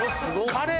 カレー。